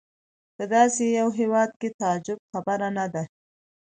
په داسې یو هېواد کې د تعجب خبره نه ده.